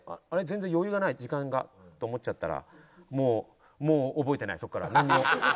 全然余裕がない時間が」と思っちゃったらもうもう覚えてないそこからなんにも。